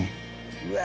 うわ